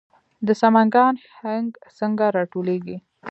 د سمنګان هنګ څنګه راټولیږي؟